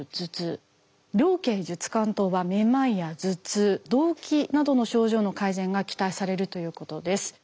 「苓桂朮甘湯」はめまいや頭痛動悸などの症状の改善が期待されるということです。